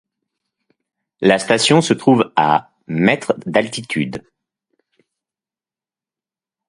La station se trouve à mètres d'altitude.